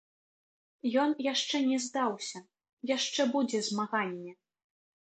Ён яшчэ не здаўся, яшчэ будзе змаганне.